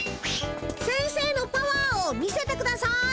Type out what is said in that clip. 先生のパワーを見せてください。